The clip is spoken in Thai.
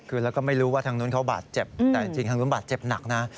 คือแล้วก็ไม่รู้ว่าทางนู้นเขาบาดเจ็บแต่จริงทางนู้นบาดเจ็บหนักนะ